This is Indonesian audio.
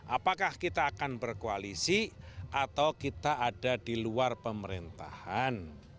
apakah kita akan berkoalisi atau kita ada di luar pemerintahan